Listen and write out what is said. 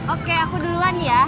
oke aku duluan ya